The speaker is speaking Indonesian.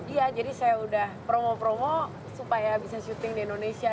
iya jadi saya udah promo promo supaya bisa syuting di indonesia